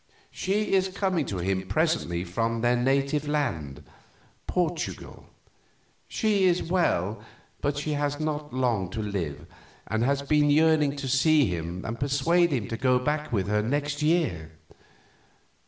She is coming to him presently from their native land, Portugal. She is well, but has not long to live, and has been yearning to see him and persuade him to go back with her next year.